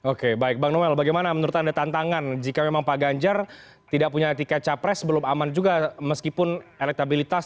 oke baik bang noel bagaimana menurut anda tantangan jika memang pak ganjar tidak punya tiket capres belum aman juga meskipun elektabilitas